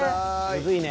むずいね